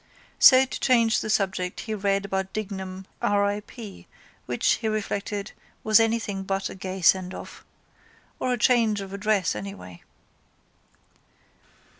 So to change the subject he read about Dignam R. I. P. which, he reflected, was anything but a gay sendoff. Or a change of address anyway.